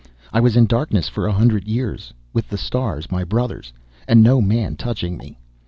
I was in darkness for a hundred years with the stars my brothers, and no man touching me.